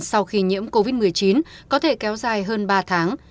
sau khi nhiễm covid một mươi chín có thể kéo dài hơn ba tháng